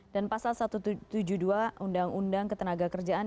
dan pasal satu ratus tujuh puluh dua undang undang ketenaga kerjaan